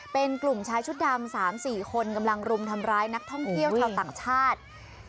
เป็นกลุ่มชายชุดดำ๓๔คนกำลังรุมทำร้ายนักท่องเที่ยวชาวต่างชาติ